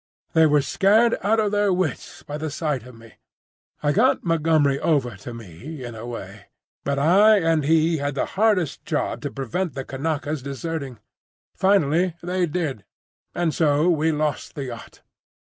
They were scared out of their wits by the sight of me. I got Montgomery over to me—in a way; but I and he had the hardest job to prevent the Kanakas deserting. Finally they did; and so we lost the yacht.